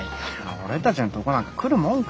俺たちのとこなんか来るもんか。